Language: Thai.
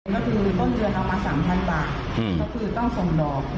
ก็คือต้นเงินเอามาสามพันบาทอืมก็คือต้องส่งดอก